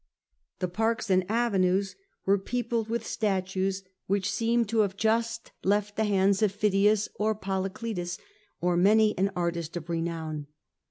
The parks and avenues were peopled with statues which seemed to have just Hadrian, 117 138. 67 left the hands of Phidias or Polycletus or many an artist of renown.